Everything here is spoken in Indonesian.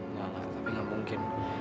nggak lah tapi nggak mungkin